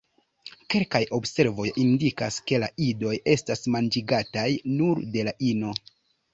Kelkaj observoj indikas ke la idoj estas manĝigataj nur de la ino.